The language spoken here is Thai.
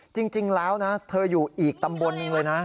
จริงแล้วนะเธออยู่อีกตำบลหนึ่งเลยนะ